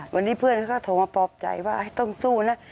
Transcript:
วันนี้เพื่อนเขาก็โทรมาปลอบใจว่าต้องสู้นะ